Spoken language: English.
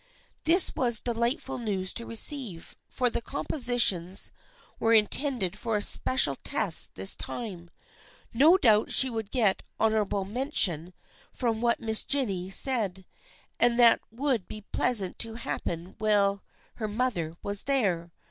This was delightful news to receive, for the compositions were intended for a special test this time. No doubt she would get " honorable men THE FRIENDSHIP OF ANNE 309 tion," from what Miss Jennie said, and that would be pleasant to have happen while her mother was there.